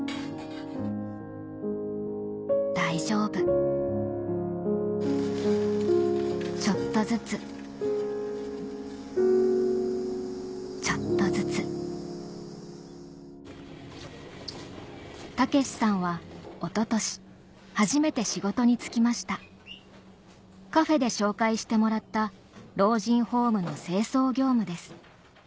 大丈夫ちょっとずつちょっとずつタケシさんはおととし初めて仕事に就きましたカフェで紹介してもらった老人ホームの清掃業務です